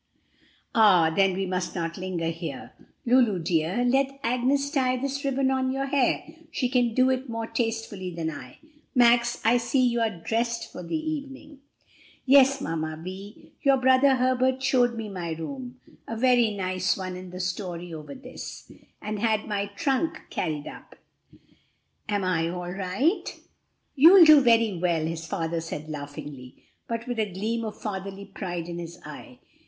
"Ah, then we must not linger here! Lulu dear, let Agnes tie this ribbon on your hair. She can do it more tastefully than I. Max, I see you are dressed for the evening." "Yes, Mamma Vi, your brother Herbert showed me my room a very nice one in the story over this and had my trunk carried up. Am I all right?" "You'll do very well," his father said laughingly, but with a gleam of fatherly pride in his eye.